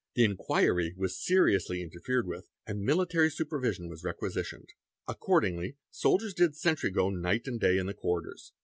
The inquiry was Seriously interfered with and military supervision was requisitioned ; accordingly soldiers did sentrygo night and day in the corridors.